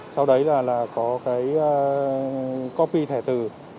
sau đấy là có cái copy thẻ từ